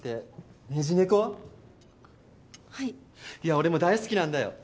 俺も大好きなんだよ。